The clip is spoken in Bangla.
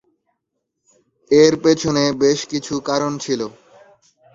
এর পেছনে বেশ কিছু কারণ ছিল।